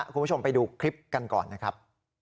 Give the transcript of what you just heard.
คุณผู้ชมไปดูคลิปกันก่อนนะครับ